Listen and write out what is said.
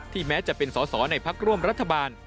แม้จะเป็นสอสอในพักร่วมรัฐบาล